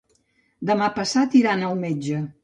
Demà passat iran al metge.